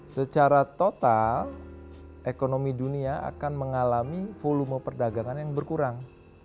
secara total ekonomi dunia akan mengalami volume perdagangan yang berkurang